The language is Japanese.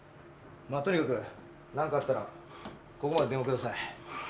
とにかく何かあったらここまで電話ください。